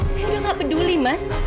saya udah gak peduli mas